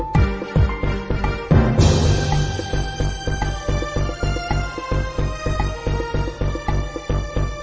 โทษนะ